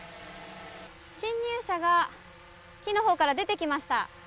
侵入者が木のほうから出てきました。